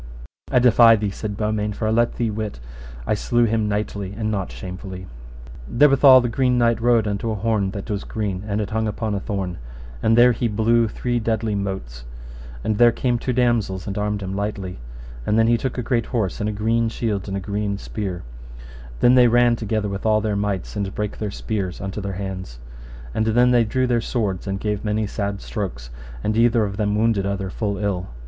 I defy thee, said Beaumains, for I let thee wit I slew him knightly and not shamefully. Therewithal the Green Knight rode unto an horn that was green, and it hung upon a thorn, and there he blew three deadly motes, and there came two damosels and armed him lightly. And then he took a great horse, and a green shield and a green spear. And then they ran together with all their mights, and brake their spears unto their hands. And then they drew their swords, and gave many sad strokes, and either of them wounded other full ill.